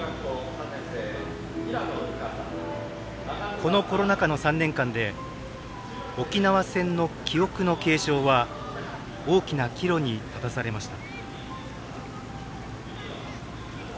このコロナ禍の３年間で沖縄戦の記憶の継承は大きな岐路に立たされました。